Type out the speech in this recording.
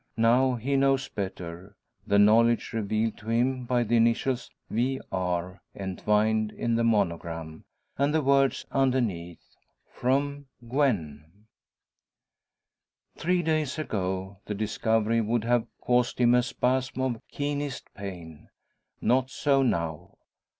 Now he knows better; the knowledge revealed to him by the initials Y.R. entwined in monogram, and the words underneath "From Gwen." Three days ago, the discovery would have caused him a spasm of keenest pain. Not so now.